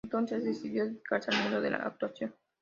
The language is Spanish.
Entonces decidió dedicarse al mundo de la actuación.